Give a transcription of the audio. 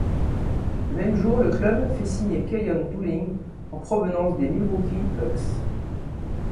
Le même jour le club fait signer Keyon Dooling en provenance des Milwaukee Bucks.